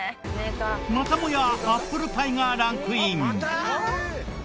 またもやアップルパイがランクイン。